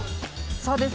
そうです。